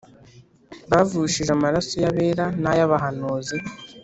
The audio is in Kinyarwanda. Bavushije amaraso y’abera n’ay’abahanuzi,